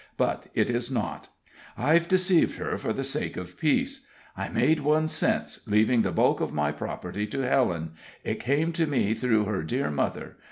But it is not. I've deceived her, for the sake of peace. I made one since, leaving the bulk of my property to Helen; it came to me through her dear mother.